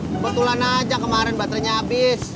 kebetulan aja kemarin baterenya abis